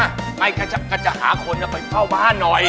กะกะจะกะจะกะจะหากคนกะจะกลับไปเท่าบ้านหน่อย